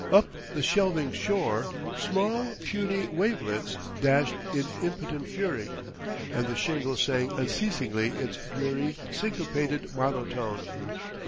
Up the shelving shore, small, puny wavelets dashed in impotent fury, and the shingle sang unceasingly its dreary, syncopated monotone.